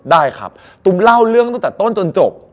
ได้ครับตุ๋มเล่าเรื่องตั้งแต่ต้นจนจบ